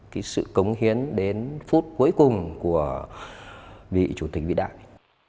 cái sự cống hiến đến phút cuối cùng của vị chủ tịch vĩ đại